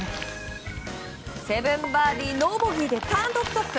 ７バーディー、ノーボギーで単独トップ。